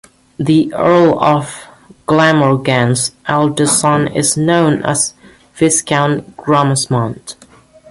The Earl of Glamorgan's eldest son is known as Viscount Grosmont.